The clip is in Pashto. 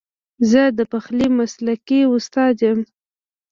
زه د پخلي مسلکي استاد یم